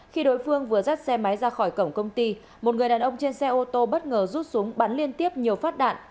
khi đối phương vừa dắt xe máy ra khỏi cổng công ty một người đàn ông trên xe ô tô bất ngờ rút súng bắn liên tiếp nhiều phát đạn